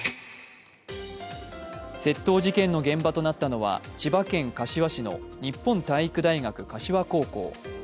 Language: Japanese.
窃盗事件の現場となったのは千葉県柏市の日本体育大学柏高校。